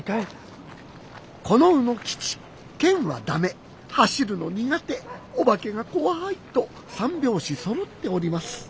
この卯之吉剣は駄目走るの苦手お化けが怖いと三拍子そろっております。